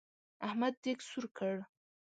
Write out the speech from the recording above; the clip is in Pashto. احمد دېګ سور کړ.